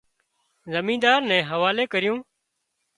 زميندار نين حوالي ڪريو